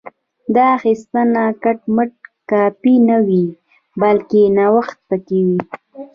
دا اخیستنه کټ مټ کاپي نه وي بلکې نوښت پکې وي